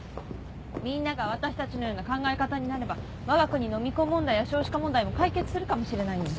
みんなが私たちのような考え方になればわが国の未婚問題や少子化問題も解決するかもしれないのに。